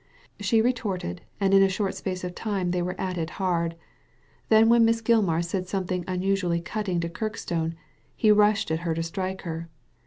She retorted, and in a short space of time they were at it hard/ Then when Miss Gilmar said something unusually cutting to Kirkstone, he rushed at her to strike her.